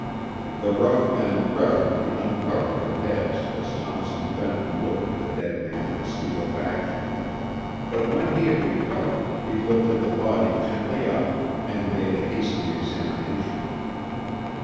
The rough men reverently uncovered their heads as Thompson Benton looked at the dead man in stupefaction, but when he had recovered, he lifted the body gently up, and made a hasty examination.